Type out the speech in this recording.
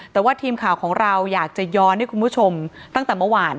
แต่ว่าทีมข่าวของเราอยากจะย้อนให้คุณผู้ชมตั้งแต่เมื่อวาน